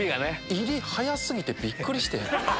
入り早過ぎてびっくりして。